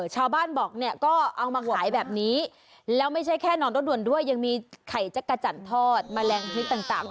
ชาวบ้านบอกเนี่ยก็เอามาขายแบบนี้แล้วไม่ใช่แค่นอนรถด่วนด้วยยังมีไข่จักรจันทร์ทอดแมลงพิษต่าง